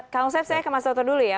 kang usep saya ke mas toto dulu ya